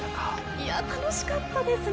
いや楽しかったですね。